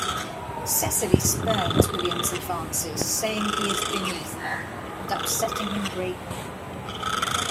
Cecily spurns William's advances, saying he is "beneath her", and upsetting him greatly.